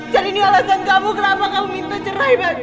jadi ini alasan kamu kenapa kamu minta cerai